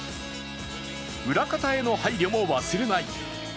裏方への配慮も忘れない。